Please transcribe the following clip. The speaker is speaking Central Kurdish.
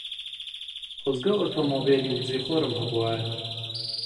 خۆزگە ئۆتۆمۆبیلی وزەی خۆرم هەبوایە.